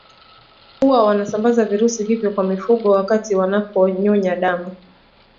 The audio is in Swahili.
Huwa wanasambaza virusi hivyo kwa mifugo wakati wanapowanyonya damu